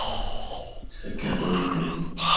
Tfakk-akent-ten.